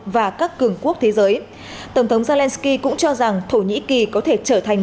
và các cường quốc thế giới tổng thống zelensky cũng cho rằng thổ nhĩ kỳ có thể trở thành